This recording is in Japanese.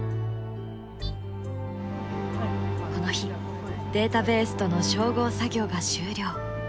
この日データベースとの照合作業が終了。